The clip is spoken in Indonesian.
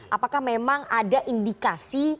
apakah memang ada indikasi